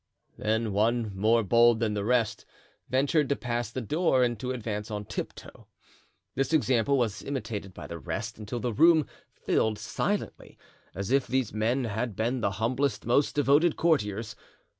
Then one more bold than the rest ventured to pass the door and to advance on tiptoe. This example was imitated by the rest, until the room filled silently, as if these men had been the humblest, most devoted courtiers.